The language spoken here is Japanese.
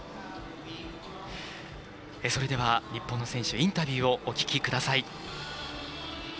それでは、日本の選手インタビューをお聞きください。